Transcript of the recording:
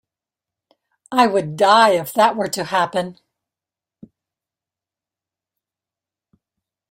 I would die if that were to happen.